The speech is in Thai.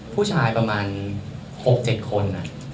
ผู้ชายประมาณ๖๗คน